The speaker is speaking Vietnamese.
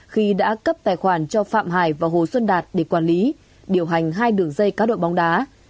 khi đã cấp tài khoản cho phạm hải và hồ xuân đạt để quản lý điều hành hai đường dây cá độ bóng đá